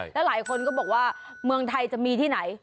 แล้วหลายคนก็บอกว่าเมืองไทยจะมีที่ไหน